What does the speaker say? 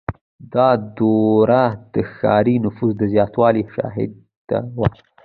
• دا دوره د ښاري نفوس د زیاتوالي شاهده وه.